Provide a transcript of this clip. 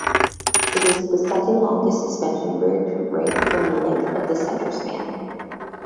It is the second-longest suspension bridge ranked by the length of the centre span.